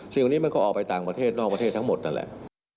สิ่งเหล่านี้มันก็ออกไปต่างประเทศนอกประเทศทั้งหมดนั่นแหละ